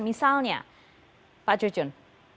misalnya pak cucun